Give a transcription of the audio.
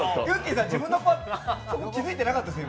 さん自分のパート、気付いてなかったんですか？